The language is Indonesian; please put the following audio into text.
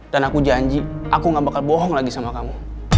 dan aku janji aku gak bakal bohong lagi sama kamu